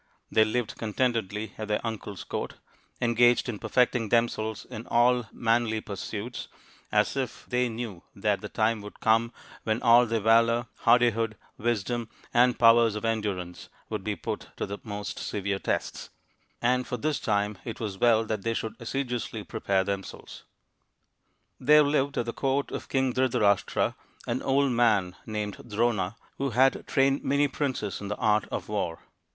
They lived con tentedly at their uncle's court, engaged in perfecting themselves in all manly pursuits, as if they knew that the time would come when all their valour, hardihood, wisdom, and powers of endurance would be put to the most severe tests ; and for this time it was well that they should assiduously prepare themselves. There lived at the court of King Dhrita rashtra an old man named Drona^ who had trained many princes in the art of war.